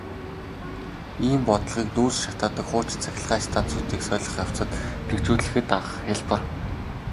Ийм бодлогыг нүүрс шатаадаг хуучин цахилгаан станцуудыг солих явцад хэрэгжүүлэхэд хялбар.